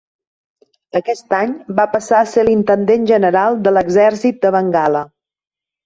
Aquest any va passar a ser l'Intendent General de l'Exèrcit de Bengala.